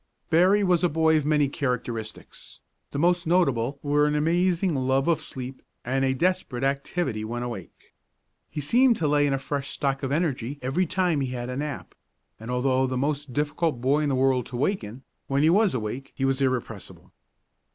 Berry was a boy of many characteristics. The most notable were an amazing love of sleep and a desperate activity when awake. He seemed to lay in a fresh stock of energy every time he had a nap, and although the most difficult boy in the world to waken, when he was awake he was irrepressible.